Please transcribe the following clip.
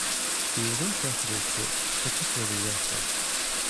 He was interested in sports, particularly wrestling.